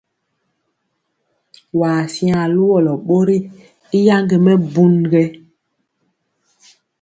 Waa siŋa luwɔlɔ ɓori i yaŋge mɛbun?